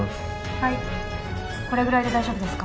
はいこれぐらいで大丈夫ですか？